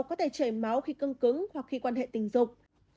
có thể chảy máu khi cưng cứng hoặc khi quan hệ tình dục